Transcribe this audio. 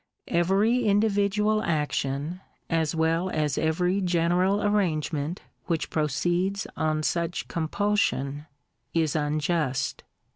Every individual action, as well as every general arrangement which proceeds on such compul sion, is unjust.